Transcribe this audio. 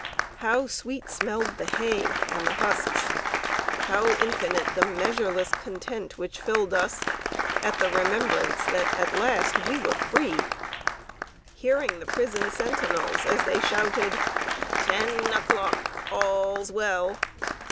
How sweet smelled the hay and the husks! How infinite the "measureless content" which filled us at the remembrance that at last we were free! Hearing the prison sentinels, as they shouted "Ten o' clock; a ll's well!"